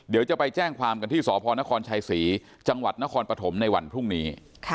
เดี๋ยวจะไปแจ้งความกันที่สพนครชัยศรีจังหวัดนครปฐมในวันพรุ่งนี้